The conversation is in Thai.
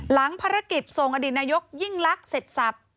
หลังภารกิจส่งอดีตนายกยิ่งลักษณ์เสร็จสับ